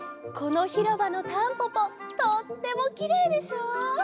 このひろばのたんぽぽとってもきれいでしょ？